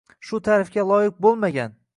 Shu ta’rifga loyiq bo‘lmagan.